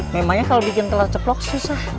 memangnya kalau bikin telur ceplok susah